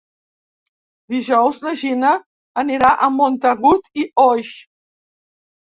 Dijous na Gina anirà a Montagut i Oix.